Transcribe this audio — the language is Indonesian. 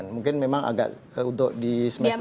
mungkin memang agak untuk di semester dua